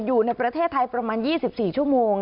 อยู่ในประเทศไทยประมาณ๒๔ชั่วโมง